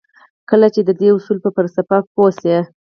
کله چې د دې اصولو پر فلسفه پوه شئ.